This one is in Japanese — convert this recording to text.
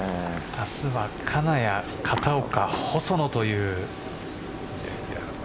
明日は金谷、片岡、細野という。